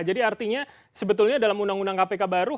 jadi artinya sebetulnya dalam undang undang kpk baru